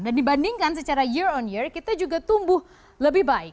dan dibandingkan secara year on year kita juga tumbuh lebih baik